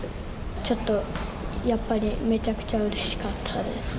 ちょっと、やっぱりめちゃくちゃうれしかったです。